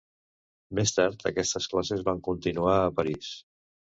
Més tard aquestes classes van continuar a París.